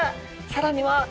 さらには。